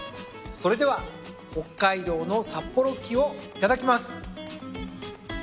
それでは北海道の札幌黄をいただきます。